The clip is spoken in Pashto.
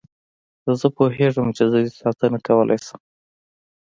زه پوهېږم چې زه دې ساتنه کولای شم.